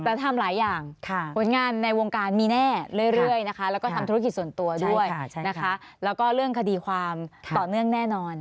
แต่ทำหลายอย่างผลงานในวงการมีแน่เรื่อยนะคะแล้วก็ทำธุรกิจส่วนตัวด้วยนะคะแล้วก็เรื่องคดีความต่อเนื่องแน่นอน